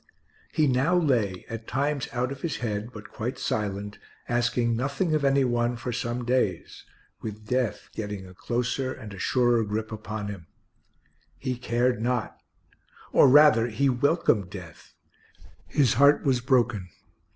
He now lay, at times out of his head but quite silent, asking nothing of any one, for some days, with death getting a closer and a surer grip upon him; he cared not, or rather he welcomed death. His heart was broken.